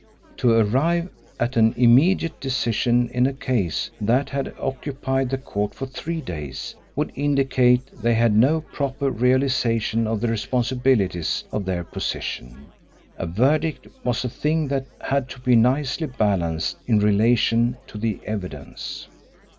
To arrive at an immediate decision in a case that had occupied the court for three days would indicate they had no proper realisation of the responsibilities of their position. A verdict was a thing that had to be nicely balanced in relation to the evidence.